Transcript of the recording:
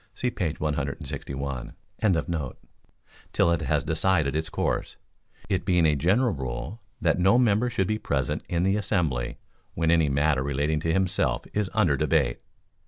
[See page 161.]] till it has decided its course, it being a general rule that no member should he present in the assembly when any matter relating to himself is under debate.